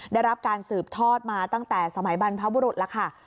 ได้รับการสืบทอดมาตั้งแต่สมัยบรรพบุรุษแล้วค่ะ